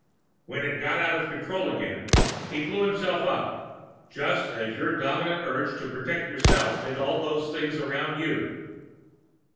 When it got out of control again, he blew himself up just as your dominant urge to protect yourself did all those things around you."